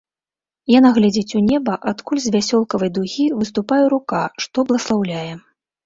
Яна глядзіць у неба, адкуль з вясёлкавай дугі выступае рука, што бласлаўляе.